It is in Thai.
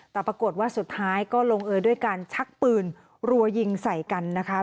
แต่ปรากฏว่าสุดท้ายก็ลงเออด้วยการชักปืนรัวยิงใส่กันนะคะ